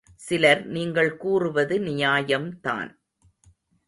சிலர் நீங்கள் கூறுவது நியாயம்தான்.